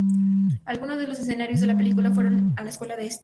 Algunos de los escenarios de la película fueron la Escuela de St.